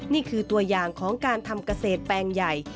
นี่คือตัวอย่างของการทำเกษตรแปลงใหญ่